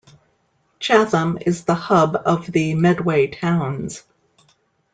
Chatham is the hub of the Medway Towns.